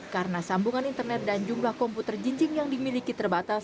karena sambungan internet dan jumlah komputer jinjing yang dimiliki terbatas